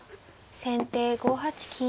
先手５八金。